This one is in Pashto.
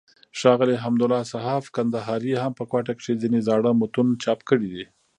ښاغلي حمدالله صحاف کندهاري هم په کوټه کښي ځينې زاړه متون چاپ کړي دي.